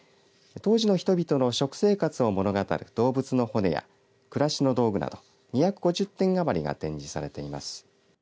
当時の人々の食生活を物語る動物の骨や暮らしの道具など２５０点余りが展示されています。